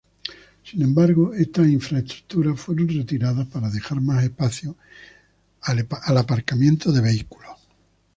Sin embargo, estas infraestructuras fueron retiradas para dejar más espacio al aparcamiento de vehículos.